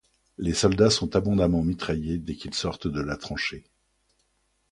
Les soldats sont abondamment mitraillés dès qu'ils sortent de la tranchée.